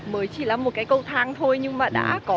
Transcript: mới chỉ là một cái cầu thang thôi nhưng mà đã có